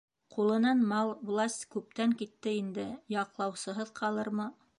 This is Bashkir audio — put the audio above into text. Ҡулынан мал, власть күптән китте, инде яҡлаусыһыҙ ҡалырмы?